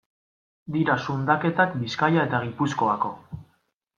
Dira zundaketak Bizkaia eta Gipuzkoako.